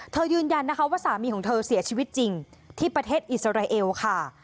ยืนยันนะคะว่าสามีของเธอเสียชีวิตจริงที่ประเทศอิสราเอลค่ะ